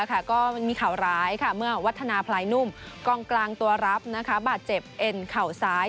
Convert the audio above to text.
ก็มีข่าวร้ายเมื่อวัฒนาพลายนุ่มกองกลางตัวรับบาดเจ็บเอ็นเข่าซ้าย